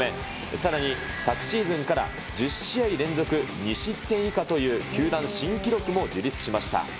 さらに昨シーズンから１０試合連続２失点以下という球団新記録も樹立しました。